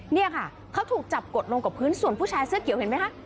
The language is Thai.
เนี่ยค่ะเขาถูกจับกดลงกับพื้นส่วนผู้ชายเสื้อเขียวเห็นไหมคะ